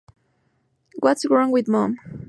What's Wrong With Mom?